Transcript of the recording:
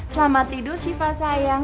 selamat tidur siva sayang